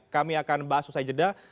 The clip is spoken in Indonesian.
kami akan bahas usai jeda